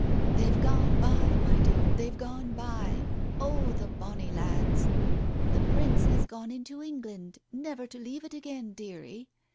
... "They've gone by, my dear, they've gone by. Oh, the bonny lads !... The Prince has gone into Eng land, never to leave it again, dearie.